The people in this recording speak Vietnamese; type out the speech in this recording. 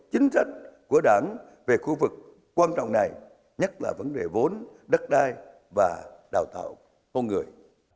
chính sách của đảng về khu vực quan trọng này nhất là vấn đề vốn đất đai và đào tạo hôn người